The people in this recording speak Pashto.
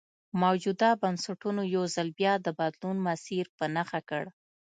موجوده بنسټونو یو ځل بیا د بدلون مسیر په نښه کړ.